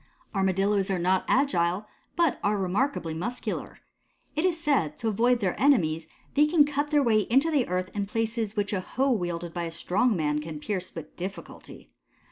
Armadillos are not agile but are remarkably muscular. It is said, to avoid their enemies they can cut their way into the earth in places which a hoe wielded by a strong man can pierce with difficulty.